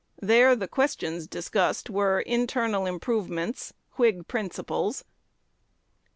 There the questions discussed were internal improvements, Whig principles."